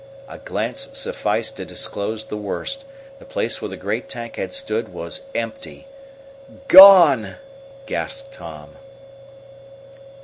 A glance sufficed to disclose the worst. The place where the great tank had stood was empty. "Gone!" gasped Tom.